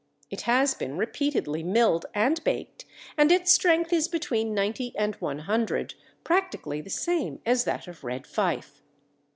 It has been repeatedly milled and baked, and its strength is between 90 and 100, practically the same as that of Red Fife.